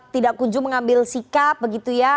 tidak kunjung mengambil sikap begitu ya